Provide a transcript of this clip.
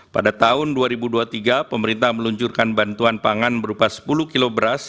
pada tahun dua ribu dua puluh tiga pemerintah meluncurkan bantuan pangan berupa sepuluh kg beras